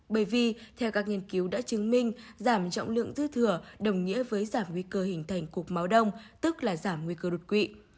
bởi vì theo các nghiên cứu đã chứng minh giảm trọng lượng dư thừa đồng nghĩa với giảm nguy cơ hình thành cục máu đông tức là giảm nguy cơ đột quỵ